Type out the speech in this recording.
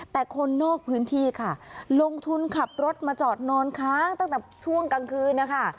แต่คนนอกพื้นที่ค่ะลงทุนขับรถมาจอดนอนค้างตั้งแต่ช่วงกลางคืนนะคะ